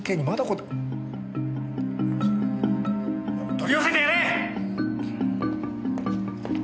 取り寄せてやれ！